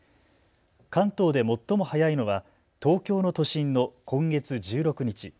関東で最も早いのは東京の都心の今月１６日。